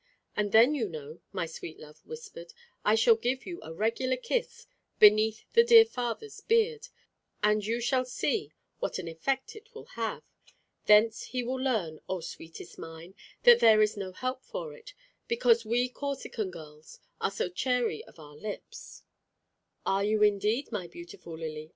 "And then, you know," my sweet love whispered, "I shall give you a regular kiss beneath the dear father's beard, and you will see what an effect it will have. Thence he will learn, oh sweetest mine, that there is no help for it; because we Corsican girls are so chary of our lips." "Are you indeed, my beautiful Lily?